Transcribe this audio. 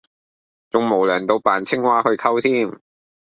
仲無良到扮青蛙去溝添!